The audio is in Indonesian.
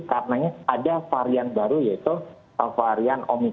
kita mencari para pemerintah ser complicated yang ini